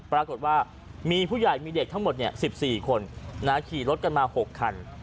ปรากฏว่ามีผู้ใหญ่มีเด็กทั้งหมด๑๔คนขี่รถกันมา๖คัน